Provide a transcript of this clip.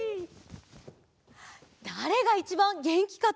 だれがいちばんげんきかというと。